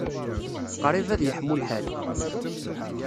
Qrib ad yeḥmu lḥal.